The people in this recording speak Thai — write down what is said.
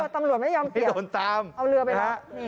ตำรวจไม่ยอมเปียกเอาเรือไปรับ